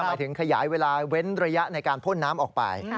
หมายถึงขยายเวลาเว้นระยะในการพ่นน้ำออกไป